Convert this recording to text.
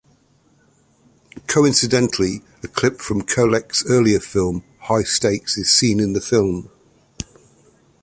Coincidentally, a clip from Kollek's earlier film, "High Stakes", is seen in the film.